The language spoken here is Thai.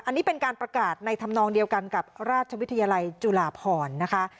อันนี้เป็นการประกาศในธรรมนองเดียวกันกับราชวิทยาลัยจุฬาพรนะคะ